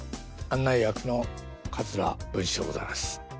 案内役の桂文枝でございます。